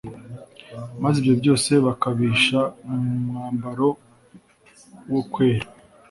maze ibyo byose bakabihisha mu mwambaro wo kwera;